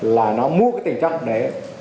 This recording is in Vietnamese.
là nó mua cái tiền chất để